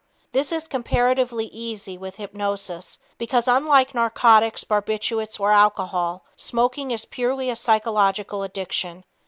This is comparatively easy with hypnosis because, unlike narcotics, barbiturates or alcohol, smoking is purely a psychological addiction.